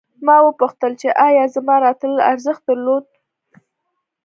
ما وپوښتل چې ایا زما راتلل ارزښت درلود